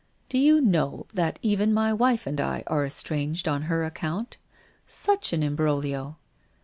' Do you know that even my wife and I are estranged on her account? Such an imbroglio!